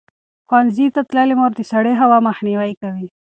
ښوونځې تللې مور د سړې هوا مخنیوی کوي.